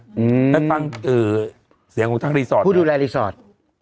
อืมแล้วตั้งเอ่อเสียงของทางรีสอร์ทผู้ดูแลรีสอร์ท